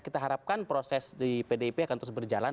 kita harapkan proses di pdip akan terus berjalan